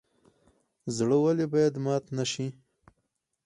زړه ولې باید مات نشي؟